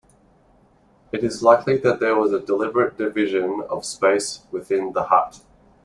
It is likely that there was a deliberate division of space within the hut.